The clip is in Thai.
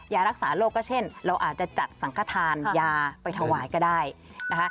ยารักษาโรคก็เช่นเราอาจจะจัดสังขทานยาไปถวายก็ได้นะคะ